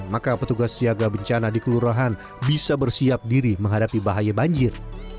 maka petugas siaga bencana di kelurahan bisa bersiap diri menghadapi bahaya banjir